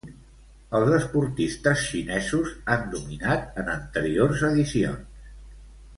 Els esportistes xinesos han dominat en anteriors edicions.